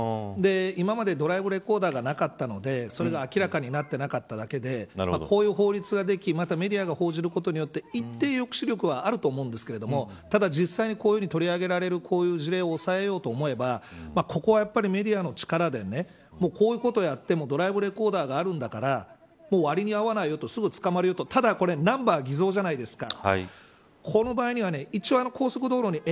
今までドライブレコーダーがなかったのでそれが明らかになってなかっただけでこういう法律ができ、またメディアが報じることによって一定の抑止力はあると思うんですがただ実際に、こういうふうに取り上げられる事例を抑えようとおもえばここはメディアの力でこういうことをやってもドライブレコーダーがあるんだからわりに合わないよとすぐ捕まるよとただこれはナンバー偽造じゃないですか。